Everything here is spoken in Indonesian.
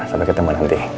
sampai ketemu nanti